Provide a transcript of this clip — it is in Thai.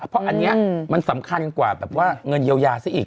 เพราะอันนี้มันสำคัญกว่าแบบว่าเงินเยียวยาซะอีก